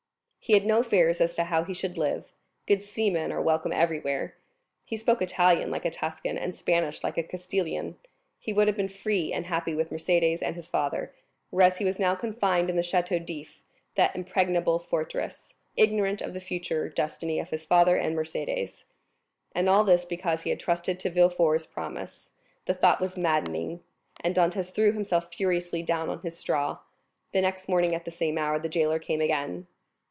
He had no fears as to how he should live—good seamen are welcome everywhere. He spoke Italian like a Tuscan, and Spanish like a Castilian; he would have been free, and happy with Mercédès and his father, whereas he was now confined in the Château d'If, that impregnable fortress, ignorant of the future destiny of his father and Mercédès; and all this because he had trusted to Villefort's promise. The thought was maddening, and Dantès threw himself furiously down on his straw. The next morning at the same hour, the jailer came again.